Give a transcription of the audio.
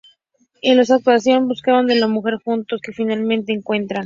Los dos a continuación, buscan a la mujer juntos, que finalmente encuentran.